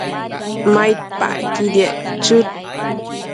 maidpacquidiec chëd